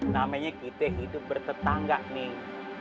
namanya kita hidup bertetangga nih